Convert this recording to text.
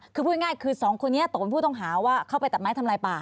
คือพูดง่ายคือสองคนนี้ตกเป็นผู้ต้องหาว่าเข้าไปตัดไม้ทำลายป่า